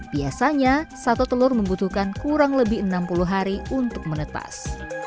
biasanya satu telur membutuhkan kurang lebih enam puluh hari untuk menetas